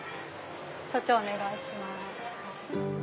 所長お願いします。